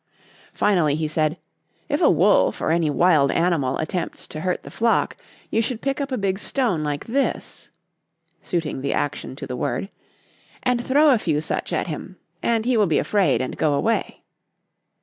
Finally he said: 'If a wolf or any wild animal attempts to hurt the flock you should pick up a big stone like this' (suiting the action to the word) 'and throw a few such at him, and he will be afraid and go away.